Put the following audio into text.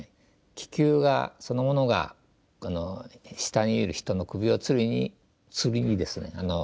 気球がそのものが下にいる人の首を吊りに吊りにですね